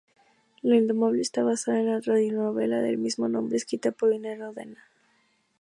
La Indomable está basada en la Radionovela del mismo nombre escrita por Ines Rodena.